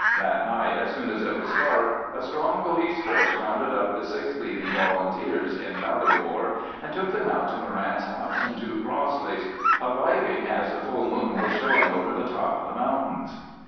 That night, as soon as it was dark, a strong police force rounded up the six leading Volunteers in Ballybor, and took them out to Moran's house in two Crossleys, arriving as the full moon was showing over the top of the mountains.